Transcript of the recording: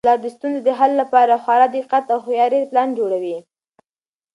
پلار د ستونزو د حل لپاره په خورا دقت او هوښیارۍ پلان جوړوي.